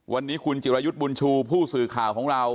วันนี้คุณจิรายุทธ์บุญชูผู้สื่อข่าวของเรา